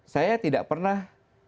saya tidak pernah